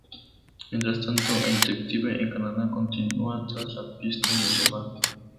Mientras tanto, el detective, en Canadá, continúa tras la pista del sofá.